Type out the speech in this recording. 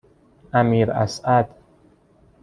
امیراسعد